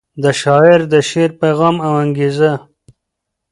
د شاعر د شعر پیغام او انګیزه